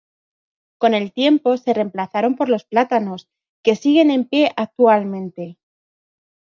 Con el tiempo se reemplazaron por los plátanos, que siguen en pie actualmente.